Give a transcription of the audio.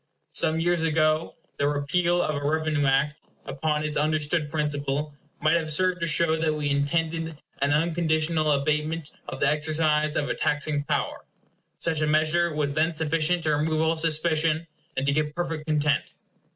Some years ago the repeal of a revenue Act, upon its understood principle, might have served to show that we intended an unconditional abatement of the exercise of a taxing power. Such a measure was then sufficient to remove all suspicion, and to give perfect content.